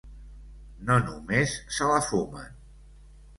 No només se la fumen.